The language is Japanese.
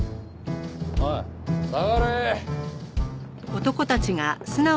おい下がれ。